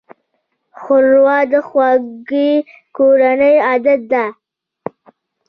ښوروا د خوږې کورنۍ عادت ده.